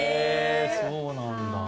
そうなんだ。